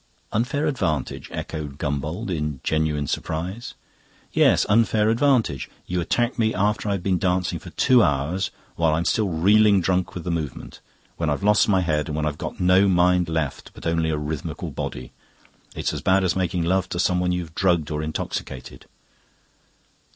"Unfair advantage?" echoed Gombauld in genuine surprise. "Yes, unfair advantage. You attack me after I've been dancing for two hours, while I'm still reeling drunk with the movement, when I've lost my head, when I've got no mind left but only a rhythmical body! It's as bad as making love to someone you've drugged or intoxicated."